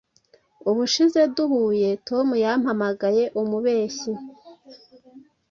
Ubushize duhuye, Tom yampamagaye umubeshyi.